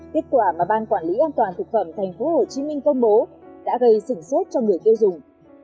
kết quả mà ban quản lý an toàn thực phẩm tp hcm công bố đã gây sửng sốt cho người tiêu dùng